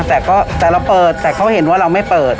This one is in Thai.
แต่ก็แต่เราเปิดแต่เขาเห็นว่าเราไม่เปิด